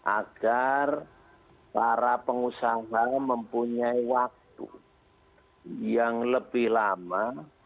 agar para pengusaha mempunyai waktu yang lebih lama